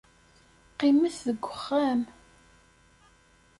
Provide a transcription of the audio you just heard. Qqimet deg wexxam.